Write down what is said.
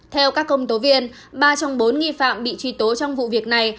theo các công tố viên ba trong bốn nghi phạm bị truy tố trong vụ việc này